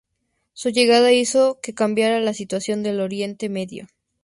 Su llegada hizo que cambiara la situación del Oriente Medio.